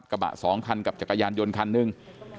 กระบะ๒คันกับจักรยานยนต์คันหนึ่ง